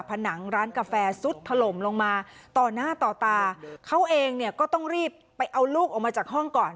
ผนังร้านกาแฟซุดถล่มลงมาต่อหน้าต่อตาเขาเองเนี่ยก็ต้องรีบไปเอาลูกออกมาจากห้องก่อน